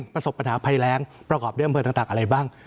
ประสบปัญหาภัยแรงประกอบด้วยอำเภอต่างอะไรบ้าง